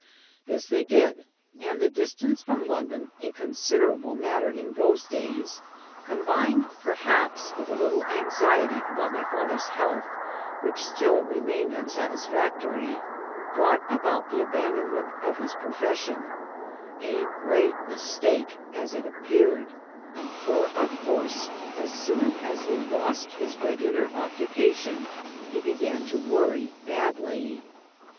This they did, and the distance from London, a con siderable matter in those days, combined perhaps with a little anxiety about my father's health, which still remained unsatisfactory, brought about the aban donment of his profession a great mistake as it appeared, for of course as soon as he lost his regulan occupation he began to worry badly.